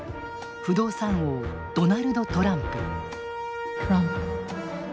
不動産王ドナルド・トランプ。